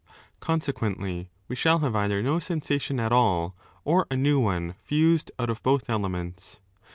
Consequently, we shall have either no sensation at all or a new one fused out of both elements.